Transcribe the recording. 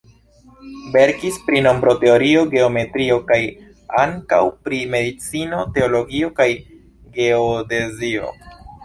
Verkis pri nombroteorio, geometrio kaj ankaŭ pri medicino, teologio kaj geodezio.